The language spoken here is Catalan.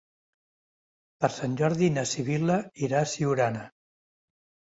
Per Sant Jordi na Sibil·la irà a Siurana.